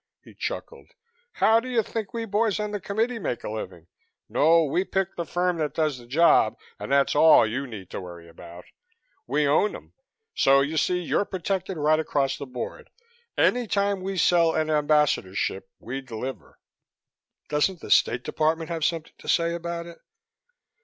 he chuckled. "How do you think we boys on the Committee make a living? No, we pick the firm that does the job and that's all you need worry about. We own 'em. So you see you're protected right across the board. Any time we sell an Ambassadorship, we deliver." "Doesn't the State Department have something to say about it?"